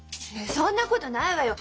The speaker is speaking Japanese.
そんなことないわよ。